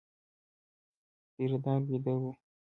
پيره دار وېده و.